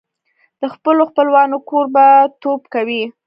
د خپلو خپلوانو کوربهتوب کوي.